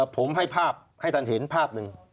ผมให้ภาพให้ท่านเห็นภาพหนึ่ง